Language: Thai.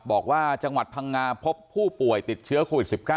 บอกว่าจังหวัดพังงาพบผู้ป่วยติดเชื้อโควิด๑๙